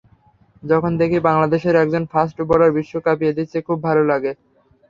যখন দেখি, বাংলাদেশের একজন ফাস্ট বোলার বিশ্ব কাঁপিয়ে দিচ্ছে, খুব ভালো লাগে।